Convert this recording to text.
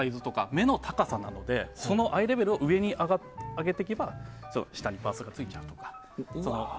目の高さなのでそのアイレベルを上にあげていけば下にバースがついちゃうとか。